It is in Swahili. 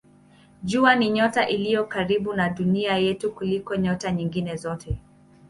Jua ni nyota iliyo karibu na Dunia yetu kuliko nyota nyingine zote.